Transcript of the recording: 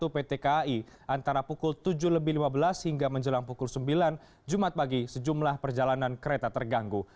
pt kai antara pukul tujuh lebih lima belas hingga menjelang pukul sembilan jumat pagi sejumlah perjalanan kereta terganggu